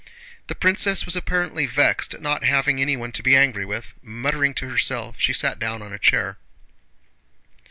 The princess was apparently vexed at not having anyone to be angry with. Muttering to herself, she sat down on a chair.